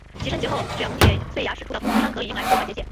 其升级后血红铁碎牙使出的风之伤可以用来破坏结界。